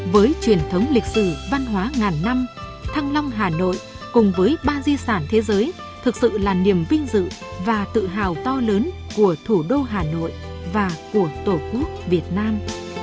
với truyền thống lịch sử văn hóa ngàn năm thăng long hà nội cùng với ba di sản thế giới thực sự là niềm vinh dự và tự hào to lớn của thủ đô hà nội và của tổ quốc việt nam